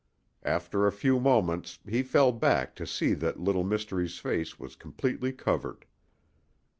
After a few moments he fell back to see that Little Mystery's face was completely covered.